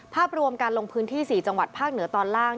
ภาพรวมการลงพื้นที่๔จังหวัดภาคเหนือตอนล่าง